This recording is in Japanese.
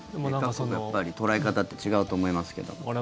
やっぱり捉え方って違うと思いますけども。